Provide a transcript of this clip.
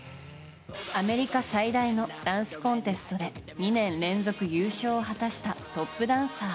アメリカ最大のダンスコンテストで２年連続優勝を果たしたトップダンサー。